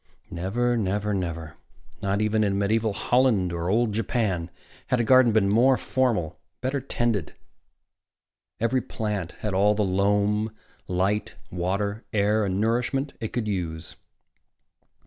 Never, never, never not even in medieval Holland nor old Japan had a garden been more formal, been better tended. Every plant had all the loam, light, water, air and nourishment it could use.